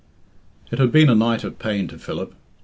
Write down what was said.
XX. It had been a night of pain to Philip.